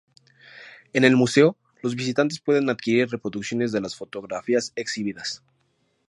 En el museo, los visitantes pueden adquirir reproducciones de las fotografías exhibidas.